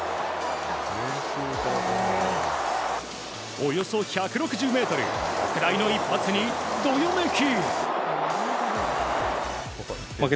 およそ１６０ｍフライの一発にどよめき！